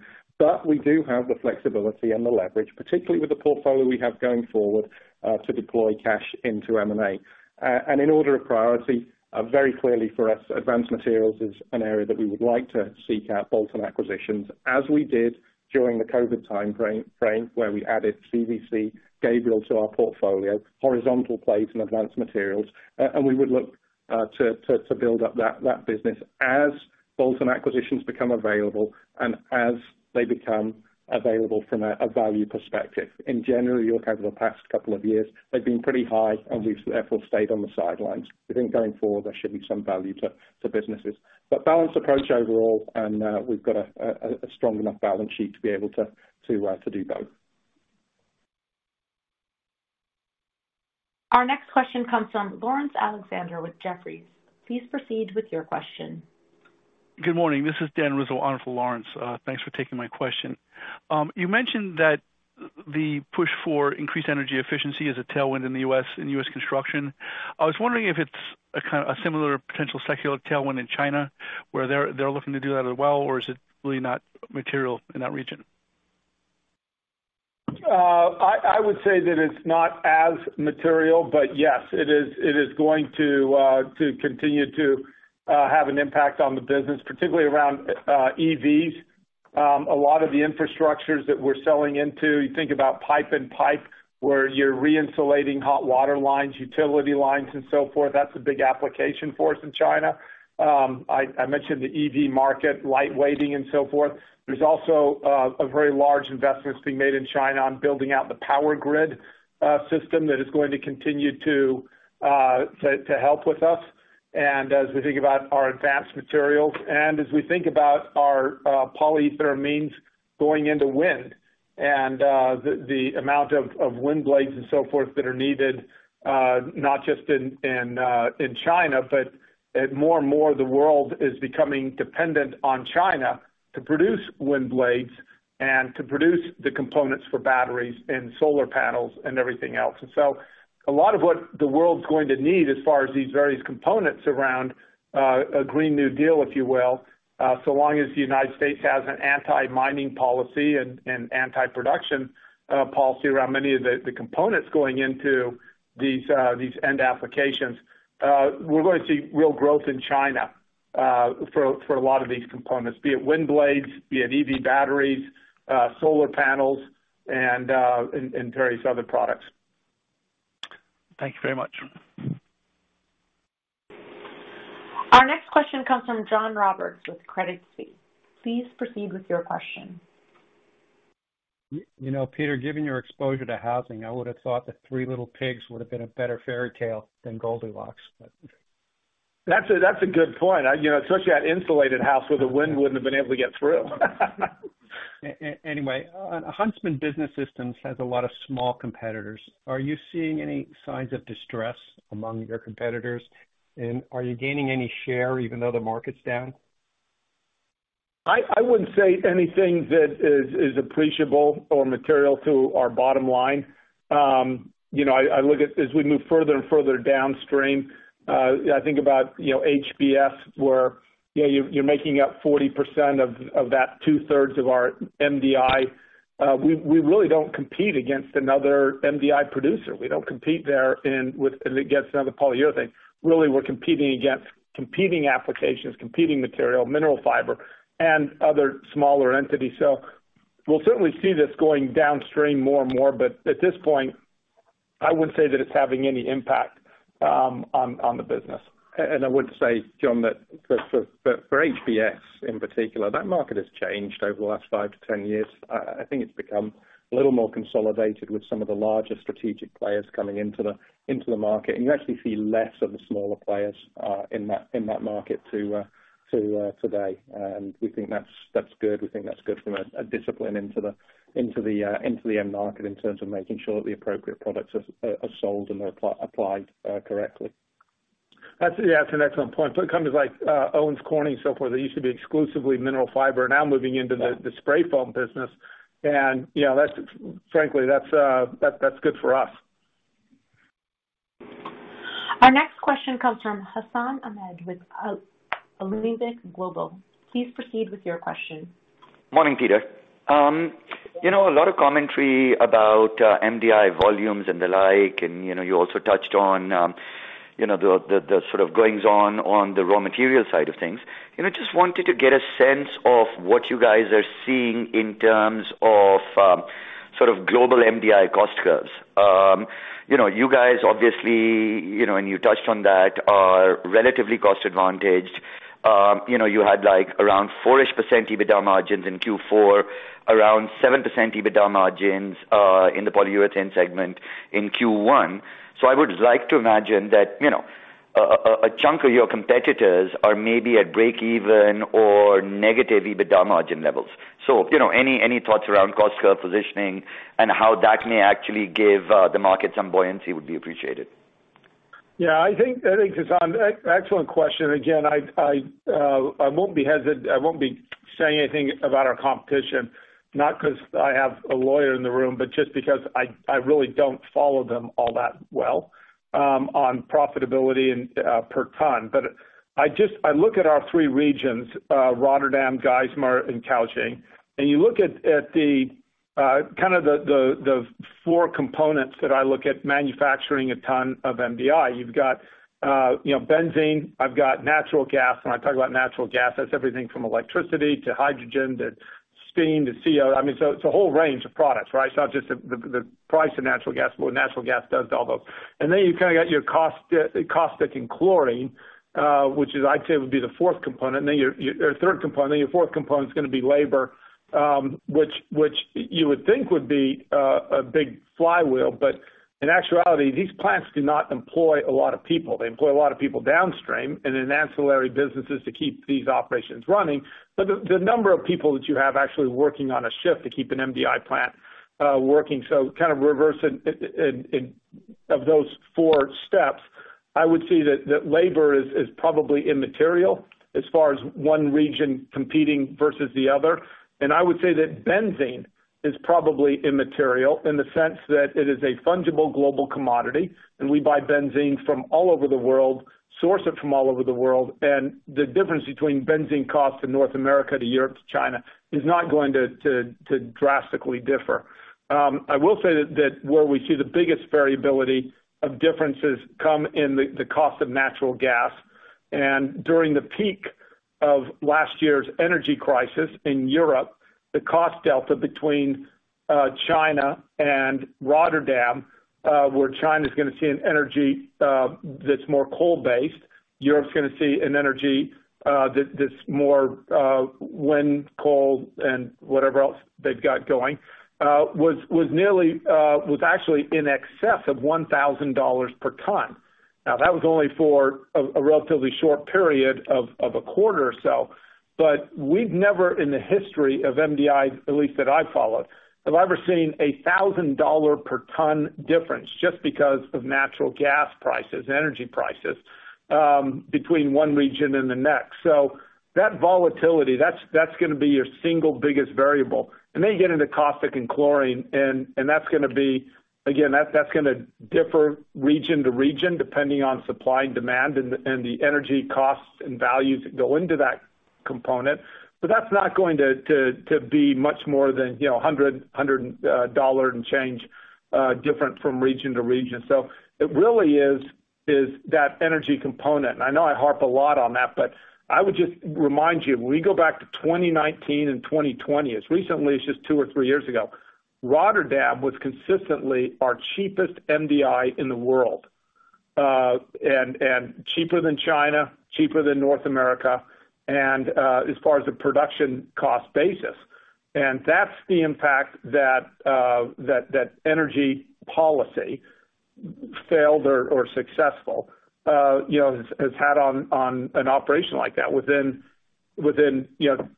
We do have the flexibility and the leverage, particularly with the portfolio we have going forward, to deploy cash into M&A. In order of priority, very clearly for us, Advanced Materials is an area that we would like to seek out bolt-on acquisitions, as we did during the COVID timeframe, where we added CVC, Gabriel to our portfolio, horizontal plates and Advanced Materials. We would look to build up that business as bolt-on acquisitions become available and as they become available from a value perspective. In general, if you look over the past couple of years, they've been pretty high, and we've therefore stayed on the sidelines. We think going forward, there should be some value to businesses. Balanced approach overall, and we've got a strong enough balance sheet to be able to do both. Our next question comes from Laurence Alexander with Jefferies. Please proceed with your question. Good morning. This is Dan Rizzo on for Laurence. Thanks for taking my question. You mentioned that the push for increased energy efficiency is a tailwind in the U.S. and U.S. construction. I was wondering if it's a kind of a similar potential secular tailwind in China, where they're looking to do that as well, or is it really not material in that region? I would say that it's not as material, but yes, it is going to continue to have an impact on the business, particularly around EVs. A lot of the infrastructures that we're selling into, you think about pipe and pipe, where you're re-insulating hot water lines, utility lines and so forth. That's a big application for us in China. I mentioned the EV market, light weighting and so forth. There's also a very large investments being made in China on building out the power grid system that is going to continue to help with us. As we think about our Advanced Materials and as we think about our, polyetheramines going into wind and, the amount of wind blades and so forth that are needed, not just in China, but, more and more of the world is becoming dependent on China to produce wind blades and to produce the components for batteries and solar panels and everything else. A lot of what the world's going to need as far as these various components around, a Green New Deal, if you will, so long as the United States has an anti-mining policy and anti-production policy around many of the components going into these end applications, we're going to see real growth in China. For a lot of these components, be it wind blades, be it EV batteries, solar panels and various other products. Thank you very much. Our next question comes from John Roberts with Credit Suisse. Please proceed with your question. You know, Peter, given your exposure to housing, I would have thought that Three Little Pigs would have been a better fairy tale than Goldilocks, but. That's a good point. You know, especially that insulated house where the wind wouldn't have been able to get through. Anyway, Huntsman Building Solutions has a lot of small competitors. Are you seeing any signs of distress among your competitors? Are you gaining any share even though the market's down? I wouldn't say anything that is appreciable or material to our bottom line. You know, I look at as we move further and further downstream, I think about, you know, HBS, where, you know, you're making up 40% of that 2/3 of our MDI. We really don't compete against another MDI producer. We don't compete there against another polyurethane. Really, we're competing against competing applications, competing material, mineral fiber, and other smaller entities. We'll certainly see this going downstream more and more, but at this point, I wouldn't say that it's having any impact on the business. I would say, John, that for HBS in particular, that market has changed over the last 5-10 years. I think it's become a little more consolidated with some of the larger strategic players coming into the market. You actually see less of the smaller players in that market today. We think that's good. We think that's good from a discipline into the end market in terms of making sure that the appropriate products are sold and they're applied correctly. That's, yeah, that's an excellent point. It comes like, Owens Corning, so forth. They used to be exclusively mineral fiber now moving into the spray foam business. You know, that's frankly, that's good for us. Our next question comes from Hassan Ahmed with Alembic Global. Please proceed with your question. Morning, Peter. You know, a lot of commentary about MDI volumes and the like, and, you know, you also touched on, you know, the sort of goings on the raw material side of things. You know, just wanted to get a sense of what you guys are seeing in terms of sort of global MDI cost curves. You know, you guys, obviously, you know, and you touched on that, are relatively cost advantaged. You know, you had like around 4-ish% EBITDA margins in Q4, around 7% EBITDA margins in the polyurethane segment in Q1. I would like to imagine that, a chunk of your competitors are maybe at break even or negative EBITDA margin levels. You know, any thoughts around cost curve positioning and how that may actually give the market some buoyancy would be appreciated. I think, Hassan, excellent question. I won't be saying anything about our competition, not 'cause I have a lawyer in the room, but just because I really don't follow them all that well on profitability and per ton. I look at our three regions, Rotterdam, Geismar and Kaohsiung, and you look at the kinda the four components that I look at manufacturing a ton of MDI. You've got, you know, benzene, I've got natural gas. When I talk about natural gas, that's everything from electricity to hydrogen to steam to CO. I mean, it's a whole range of products, right? It's not just the price of natural gas, but what natural gas does to all those. Then you kind of got your cost, caustic and chlorine, which is I'd say would be the fourth component. Then your third component, then your fourth component is gonna be labor, which you would think would be a big flywheel, but in actuality, these plants do not employ a lot of people. They employ a lot of people downstream and in ancillary businesses to keep these operations running. The number of people that you have actually working on a shift to keep an MDI plant, working, so kind of reverse it, of those four steps, I would say that labor is probably immaterial as far as one region competing versus the other. I would say that benzene is probably immaterial in the sense that it is a fungible global commodity, and we buy benzene from all over the world, source it from all over the world. The difference between benzene costs in North America to Europe to China is not going to drastically differ. I will say that where we see the biggest variability of differences come in the cost of natural gas. During the peak of last year's energy crisis in Europe, the cost delta between China and Rotterdam, where China's gonna see an energy that's more coal-based. Europe's gonna see an energy that's more wind, coal, and whatever else they've got going, was nearly was actually in excess of $1,000 per ton. That was only for a relatively short period of a quarter or so. We've never in the history of MDI, at least that I followed, have ever seen a $1,000 per ton difference just because of natural gas prices, energy prices, between one region and the next. That volatility, that's gonna be your single biggest variable. Then you get into caustic and chlorine, and that's gonna be. Again, that's gonna differ region to region, depending on supply and demand and the energy costs and values that go into that. component. That's not going to be much more than, you know, $100 and change different from region to region. It really is that energy component. I know I harp a lot on that, but I would just remind you, when we go back to 2019 and 2020, as recently as just two or three years ago, Rotterdam was consistently our cheapest MDI in the world. And cheaper than China, cheaper than North America, and as far as the production cost basis. That's the impact that energy policy, failed or successful, you know, has had on an operation like that within, you know,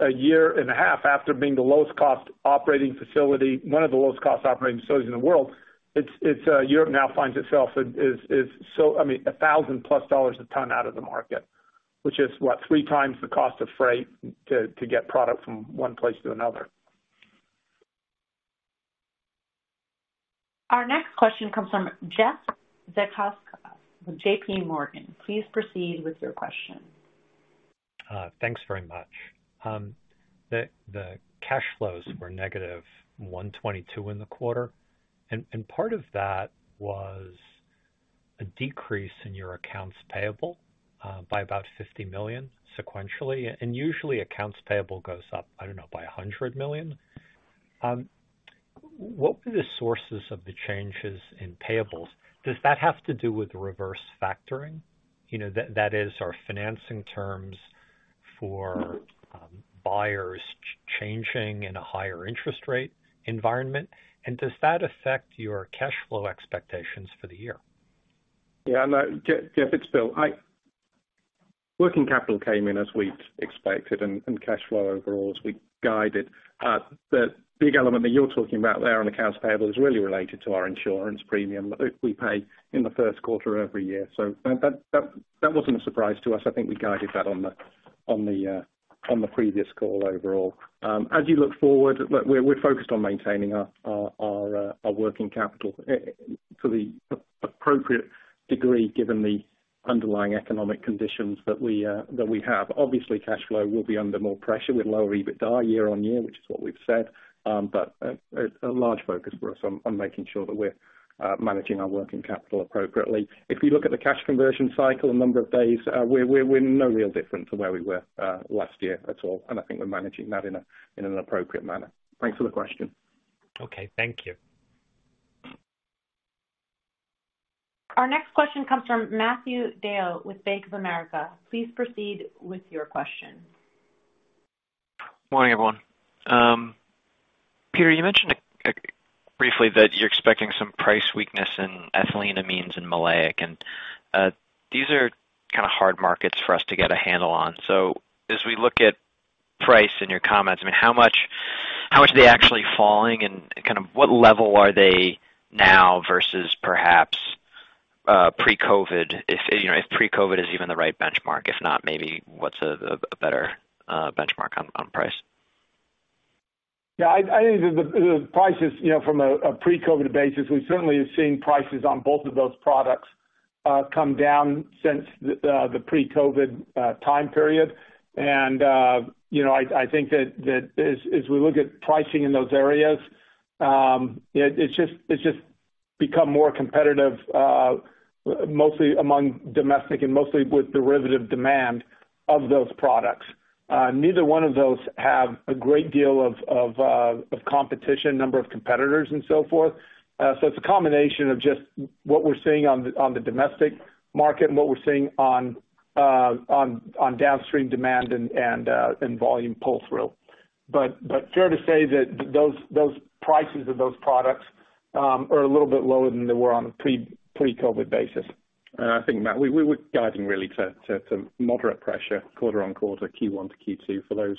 a year and a half after being the lowest cost operating facility, one of the lowest cost operating facilities in the world. Europe now finds itself is so... I mean, $1,000+ a ton out of the market, which is, what? Three times the cost of freight to get product from one place to another. Our next question comes from Jeff Zekauskas with J.P. Morgan. Please proceed with your question. Thanks very much. The cash flows were negative $122 million in the quarter, and part of that was a decrease in your accounts payable by about $50 million sequentially. Usually accounts payable goes up, I don't know, by $100 million. What were the sources of the changes in payables? Does that have to do with reverse factoring? You know, that is our financing terms for buyers changing in a higher interest rate environment, and does that affect your cash flow expectations for the year? Yeah, no. Jeff, it's Phil. Working capital came in as we expected and cash flow overall as we guided. The big element that you're talking about there on accounts payable is really related to our insurance premium that we pay in the first quarter every year. That wasn't a surprise to us. I think we guided that on the previous call overall. As you look forward, we're focused on maintaining our working capital to the appropriate degree, given the underlying economic conditions that we have. Obviously, cash flow will be under more pressure with lower EBITDA year-on-year, which is what we've said. A large focus for us on making sure that we're managing our working capital appropriately. If you look at the cash conversion cycle, the number of days, we're no real different to where we were last year at all. I think we're managing that in an appropriate manner. Thanks for the question. Okay, thank you. Our next question comes from Matthew DeYoe with Bank of America. Please proceed with your question. Morning, everyone. Peter, you mentioned briefly that you're expecting some price weakness in ethyleneamines in maleic, and, these are kind of hard markets for us to get a handle on. So as we look at price in your comments, I mean, how much are they actually falling and kind of what level are they now versus perhaps, pre-COVID? If, you know, if pre-COVID is even the right benchmark. If not, maybe what's a better, benchmark on price? Yeah, I think the prices, you know, from a pre-COVID basis, we certainly have seen prices on both of those products come down since the pre-COVID time period. You know, I think that as we look at pricing in those areas, it's just become more competitive, mostly among domestic and mostly with derivative demand of those products. Neither one of those have a great deal of competition, number of competitors and so forth. It's a combination of just what we're seeing on the domestic market and what we're seeing on downstream demand and volume pull-through. Fair to say that those prices of those products are a little bit lower than they were on a pre-COVID basis. And I think, Matt, we were guiding really to, to moderate pressure quarter on quarter, Q1-Q2 for those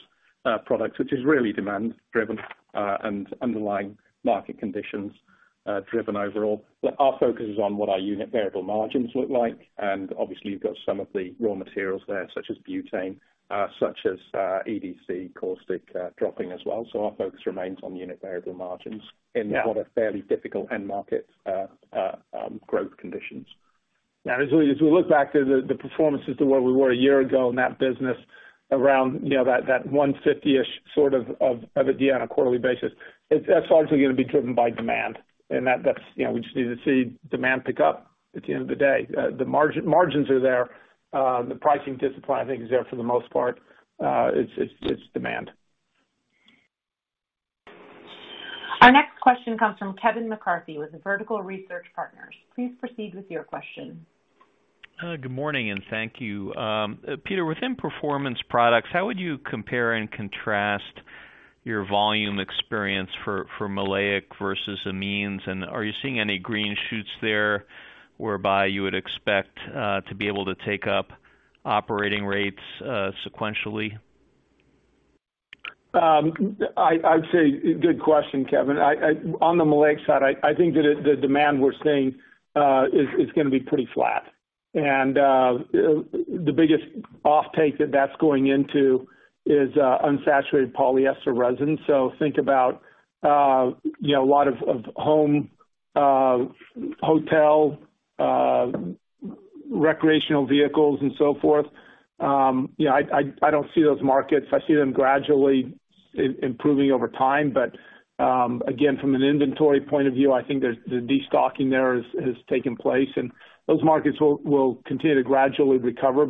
products, which is really demand driven, and underlying market conditions driven overall. But our focus is on what our unit variable margins look like. And obviously you've got some of the raw materials there, such as butane, such as EDC caustic, dropping as well. Our focus remains on unit variable margins... Yeah. In what are fairly difficult end market growth conditions. Now as we look back to the performances of where we were a year ago in that business around, you know, that $150-ish sort of EBITDA on a quarterly basis, that's largely gonna be driven by demand. That's, you know, we just need to see demand pick up at the end of the day. The margins are there. The pricing discipline I think is there for the most part. It's demand. Our next question comes from Kevin McCarthy with Vertical Research Partners. Please proceed with your question. Good morning and thank you. Peter, within Performance Products, how would you compare and contrast your volume experience for maleic versus amines? Are you seeing any green shoots there whereby you would expect to be able to take up operating rates sequentially? I'd say good question, Kevin. On the maleic side, I think that the demand we're seeing is gonna be pretty flat. The biggest offtake that's going into is unsaturated polyester resin. Think about, you know, a lot of home Hotel, recreational vehicles and so forth. Yeah, I don't see those markets. I see them gradually improving over time. Again, from an inventory point of view, I think there's the destocking there has taken place and those markets will continue to gradually recover.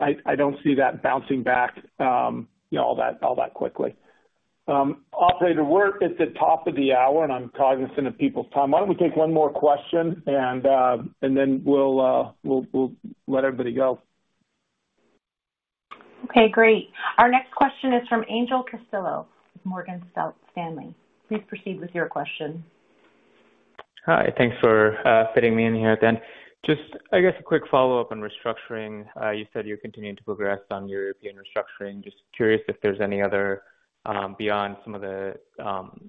I don't see that bouncing back, you know, all that quickly. Operator, we're at the top of the hour, and I'm cognizant of people's time. Why don't we take one more question, and then we'll let everybody go. Okay, great. Our next question is from Angel Castillo with Morgan Stanley. Please proceed with your question. Hi. Thanks for fitting me in here at the end. Just, I guess, a quick follow-up on restructuring. You said you're continuing to progress on your European restructuring. Just curious if there's any other, beyond some of the,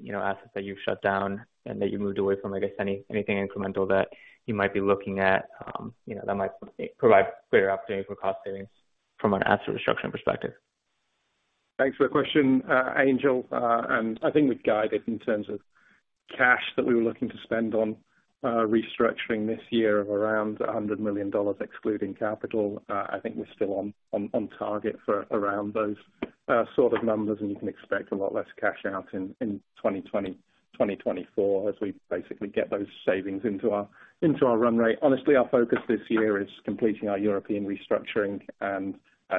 you know, assets that you've shut down and that you moved away from, I guess anything incremental that you might be looking at, you know, that might provide greater opportunity for cost savings from an asset restructuring perspective? Thanks for the question, Angel. I think we've guided in terms of cash that we were looking to spend on restructuring this year of around $100 million, excluding capital. I think we're still on target for around those sort of numbers, and you can expect a lot less cash out in 2024 as we basically get those savings into our run rate. Honestly, our focus this year is completing our European restructuring and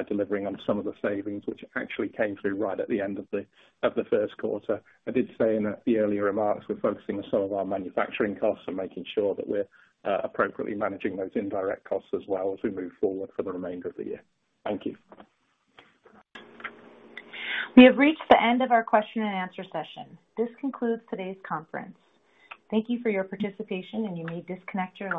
delivering on some of the savings which actually came through right at the end of the first quarter. I did say in the earlier remarks, we're focusing on some of our manufacturing costs and making sure that we're appropriately managing those indirect costs as well as we move forward for the remainder of the year. Thank you. We have reached the end of our question and answer session. This concludes today's conference. Thank you for your participation, and you may disconnect your lines.